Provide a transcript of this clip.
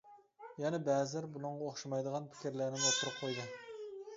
يەنە بەزىلەر بۇنىڭغا ئوخشىمايدىغان پىكىرلەرنىمۇ ئوتتۇرىغا قويدى.